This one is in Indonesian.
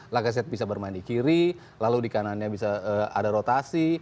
lacazette bisa bermain di kiri lalu di kanannya bisa ada rotasi